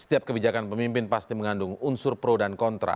setiap kebijakan pemimpin pasti mengandung unsur pro dan kontra